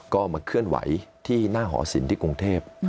ก็มาเคลื่อนไหวที่หน้าหอศิลป์ที่กรุงเทพ